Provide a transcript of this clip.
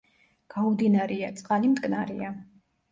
გაუდინარია, წყალი მტკნარია.